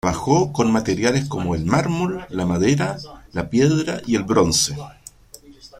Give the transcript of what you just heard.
Trabajó con materiales como el mármol, la madera, la piedra y el bronce.